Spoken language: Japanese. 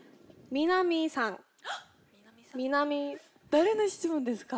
誰の質問ですか？